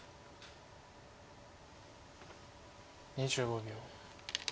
２５秒。